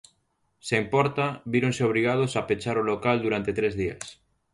Sen porta, víronse obrigados a pechar o local durante tres días.